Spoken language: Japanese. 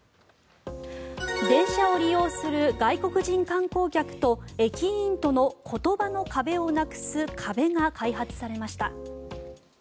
電車を利用する外国人観光客と駅員との言葉の壁をなくす壁が開発されました。